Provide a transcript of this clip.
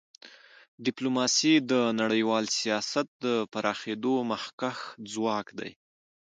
ډیپلوماسي د نړیوال سیاست د پراخېدو مخکښ ځواک دی.